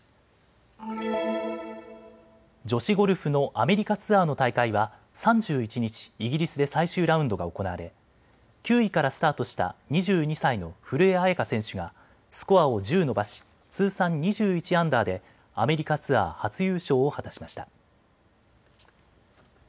女子ゴルフのアメリカツアーの大会は３１日、イギリスで最終ラウンドが行われ９位からスタートした２２歳の古江彩佳選手がスコアを１０伸ばし、通算２１アンダーでアメリカツアー初優勝を果たしました。